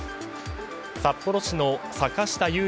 札幌市の坂下裕也